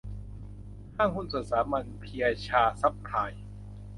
ห้างหุ้นส่วนสามัญ เพียยาซัพพลาย